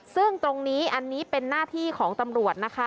ซึ่งตรงนี้อันนี้เป็นหน้าที่ของตำรวจนะคะ